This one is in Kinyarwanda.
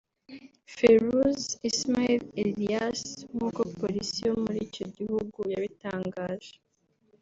Ferouz Ismail Elias nk’uko Polisi yo muri icyo gihugu yabitangaje